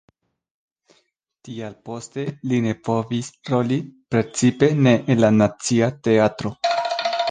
Tial poste li ne povis roli, precipe ne en la Nacia Teatro.